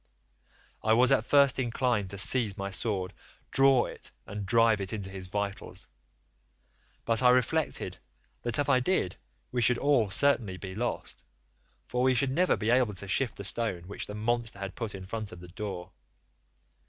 I was at first inclined to seize my sword, draw it, and drive it into his vitals, but I reflected that if I did we should all certainly be lost, for we should never be able to shift the stone which the monster had put in front of the door.